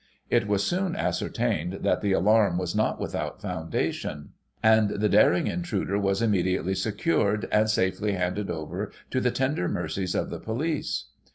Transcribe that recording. It was soon ascertained that the alarm was not without foundation, and the daring intruder was immediately secured, and safely handed over to the tender mercies of the police.